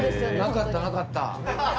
なかったなかった。